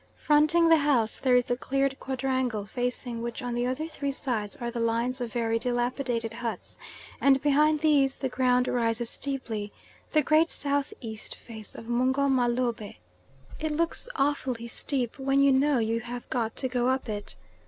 Fronting the house there is the cleared quadrangle, facing which on the other three sides are the lines of very dilapidated huts, and behind these the ground rises steeply, the great S.E. face of Mungo Mah Lobeh. It looks awfully steep when you know you have got to go up it.